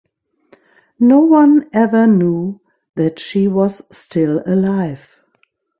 No one ever knew that she was still alive.